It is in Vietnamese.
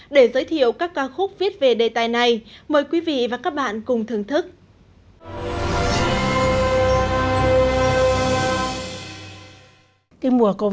để giới thiệu các ca khúc được viết ra bằng ngôn từ hài hước